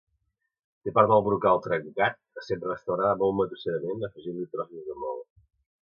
Té part del brocal trencat essent restaurada molt matusserament afegint-li trossos de maó.